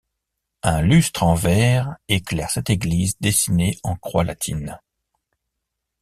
Un lustre en verre éclaire cette église dessinée en croix latine.